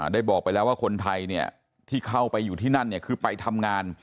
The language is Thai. ได้บอกไปแล้วว่าคนไทยเนี่ยที่เข้าไปอยู่ที่นั่นเนี่ยคือไปทำงาน